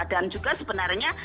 dan juga sebenarnya